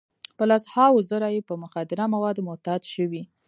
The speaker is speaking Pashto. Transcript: په لس هاوو زره یې په مخدره موادو معتاد شوي.